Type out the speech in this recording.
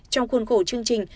trong khuôn khổ chương trình